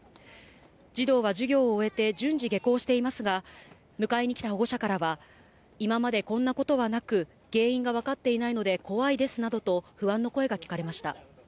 児童は授業を終えて、順次、下校していますが、迎えに来た保護者からは、今までこんなことはなく、原因が分かっていないので怖いですなどと、不安の声が聞かれました。